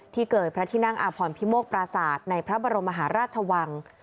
เกยพระที่นั่งอาพรพิโมกปราศาสตร์ในพระบรมมหาราชวัง